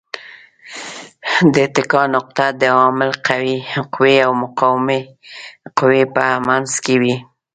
د اتکا نقطه د عامل قوې او مقاومې قوې په منځ کې وي.